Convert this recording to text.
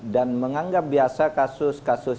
menganggap biasa kasus kasus